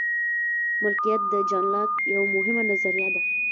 مالکیت د جان لاک یوه مهمه نظریه ده.